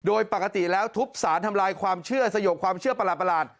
โดยปกติแล้วทุบสารทำลายความเชื่อสยบความเชื่อประหลาด